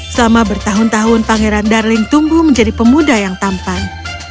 selama bertahun tahun pangeran darling tumbuh menjadi pemuda yang tampan